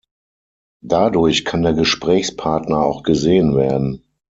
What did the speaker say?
Dadurch kann der Gesprächspartner auch gesehen werden.